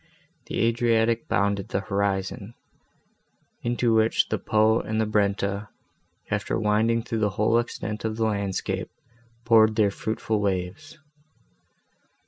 The Adriatic bounded the horizon, into which the Po and the Brenta, after winding through the whole extent of the landscape, poured their fruitful waves.